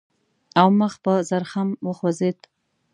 او مخ په زرخم وخوځېد.